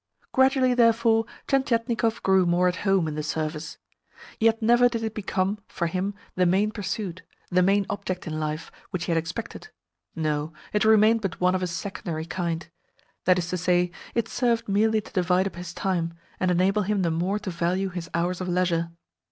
Gradually, therefore, Tientietnikov grew more at home in the Service. Yet never did it become, for him, the main pursuit, the main object in life, which he had expected. No, it remained but one of a secondary kind. That is to say, it served merely to divide up his time, and enable him the more to value his hours of leisure.